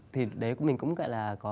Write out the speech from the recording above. thì đấy mình cũng gọi là